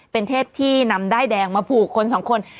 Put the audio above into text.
เป็นเทพที่นำด้ายแดงมาผูกคนสองคน